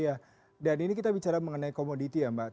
iya dan ini kita bicara mengenai komoditi ya mbak